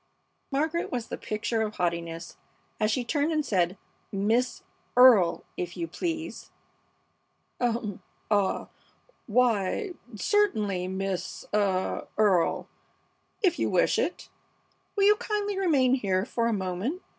Margaret was the picture of haughtiness as she turned and said, "Miss Earle, if you please!" "Um! Ah! Why, certainly, Miss ah Earle, if you wish it. Will you kindly remain here for a moment?